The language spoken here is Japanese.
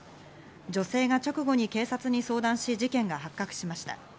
女性が直後に警察に相談し事件が発覚しました。